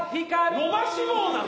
伸ばし棒なの？